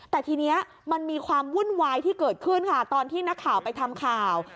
แต่ทีนี้มันมีความวุ่นวายที่เกิดขึ้นค่ะตอนที่นักข่าวไปทำข่าว